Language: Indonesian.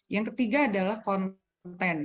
yang ketiga adalah konten